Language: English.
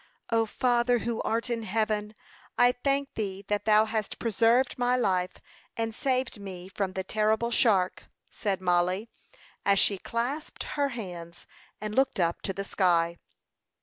"Our Father, who art in heaven, I thank thee that thou hast preserved my life, and saved me from the terrible shark," said Mollie, as she clasped her hands and looked up to the sky.